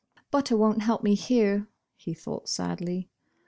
" Butter won't help me here," he thought, sadly.